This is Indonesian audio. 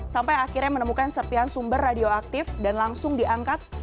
sampai akhirnya menemukan serpian sumber radioaktif dan langsung diangkat